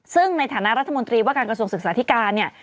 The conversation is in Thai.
ซึ่งในฐานะรัฐมนตรีว่าการกระทรวงศึกษาธิการเนี่ย